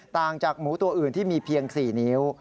ต่างจากหมูตัวอื่นที่มีเพียง๔นิ้ว